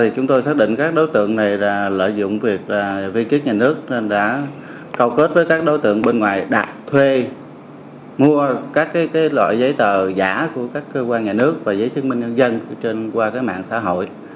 chúng đã mua các loại giấy tờ giả của các cơ quan nhà nước và giấy chứng minh nhân dân qua mạng xã hội